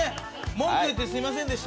文句言うてすいませんでした。